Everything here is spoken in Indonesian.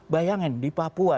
bayangin di papua